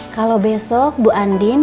kalau besok bu andin